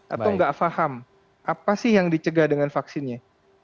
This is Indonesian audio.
atau nggak paham apa sih yang dicegah dengan vaksinnya